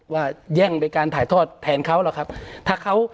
ว่าแย่งไปการถ่ายทอดแทนเขาหรอกครับ